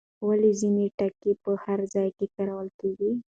ولې ځینې ټکي په هر ځای کې کارول کېږي؟